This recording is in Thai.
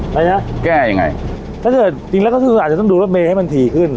เพราะฉะนั้นแก้ยังไงถ้าเกิดจริงแล้วก็คืออาจจะต้องดูรถเมย์ให้มันถี่ขึ้น